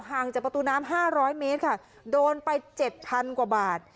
ห่างจากประตูน้ำห้าร้อยเมตรค่ะโดนไปเจ็ดพันกว่าบาท